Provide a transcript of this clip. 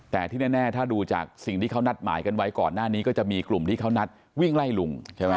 แต่ที่แน่ถ้าดูจากสิ่งที่เขานัดหมายกันไว้ก่อนหน้านี้ก็จะมีกลุ่มที่เขานัดวิ่งไล่ลุงใช่ไหม